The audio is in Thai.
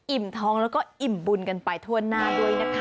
ท้องแล้วก็อิ่มบุญกันไปทั่วหน้าด้วยนะคะ